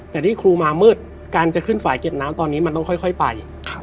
แต่ที่ครูมามืดการจะขึ้นฝ่ายเก็บน้ำตอนนี้มันต้องค่อยไป